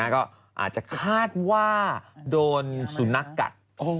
ก็อาจจะคาดว่าโดนสุนัขกัด